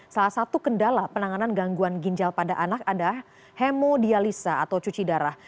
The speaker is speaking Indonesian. salah satu kendala penanganan gangguan ginjal pada anak adalah hemodialisa atau cuci darah